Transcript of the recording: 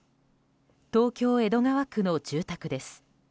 東京・江戸川区の住宅です。